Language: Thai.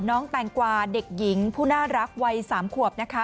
แตงกวาเด็กหญิงผู้น่ารักวัย๓ขวบนะคะ